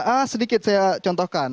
ah sedikit saya contohkan